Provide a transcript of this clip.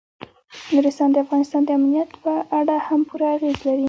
نورستان د افغانستان د امنیت په اړه هم پوره اغېز لري.